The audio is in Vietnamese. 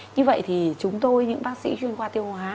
như vậy thì chúng tôi những bác sĩ chuyên khoa tiêu hóa